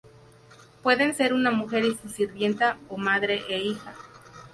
Pueden ser una mujer y su sirvienta, o madre e hija.